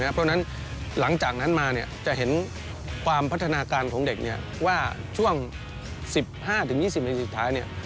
ประมาณการณ์ของเด็กว่าช่วง๑๕๒๐นาทีสุดท้าย